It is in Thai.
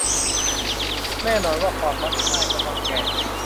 แน่นอนว่าความมักง่ายก็ต้องแก้